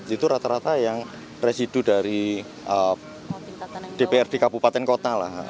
itu rata rata yang residu dari dprd kabupaten kota lah